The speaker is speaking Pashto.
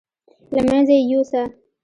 له منځه یې یوسه.